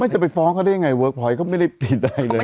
จะไปฟ้องเขาได้ยังไงเวิร์คพอยต์เขาไม่ได้ติดใจเลย